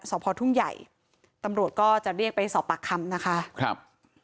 สอบพอทุ่งใหญ่ตำรวจก็จะเรียกไปสอบปากคำนะคะครับ